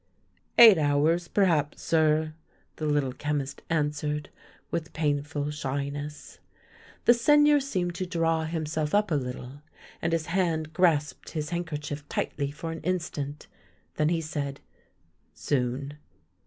" Eight hours, perhaps, sir," the Little Chemist answered, with painful shyness. The Seigneur seemed to draw himself up a little, and his hand grasped his handkerchief tightly for an instant; then he said :" Soon.